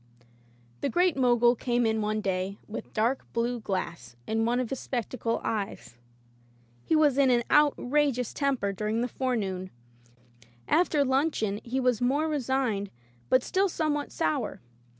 The Great Mogul came in one day with dark blue glass in one of his spectacle eyes. He was in an outrageous temper during the forenoon. After luncheon he was more re signed but still somewhat sour.